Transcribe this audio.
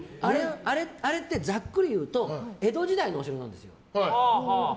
あれって、ざっくりいうと江戸時代のお城なんですよ。